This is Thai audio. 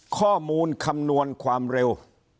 ข้อมูลคำนวณความเร็ว